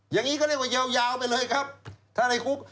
อย่างนี้ก็เรียกว่ายาวไปเลยครับถ้าในคุก